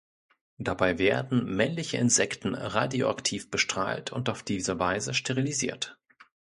Dabei werden männliche Insekten radioaktiv bestrahlt und auf diese Weise sterilisiert.